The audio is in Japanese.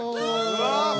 うわ！